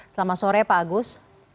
selamat sore pak agus